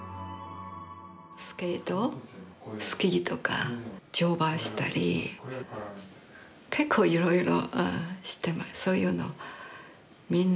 スケートスキーとか乗馬したり結構いろいろ。